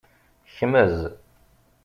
Kmez.